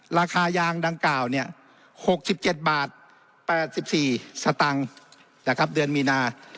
ราคายางดังกล่าว๖๗บาท๘๔สตังค์นะครับเดือนมีนา